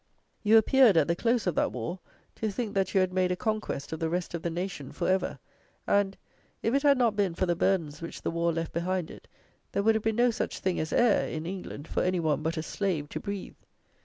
You appeared, at the close of that war, to think that you had made a conquest of the rest of the nation for ever; and, if it had not been for the burdens which the war left behind it, there would have been no such thing as air, in England, for any one but a slave to breathe.